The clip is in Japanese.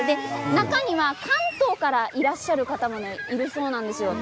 中には関東からいらっしゃる方もいるそうです。